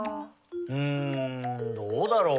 うんどうだろう？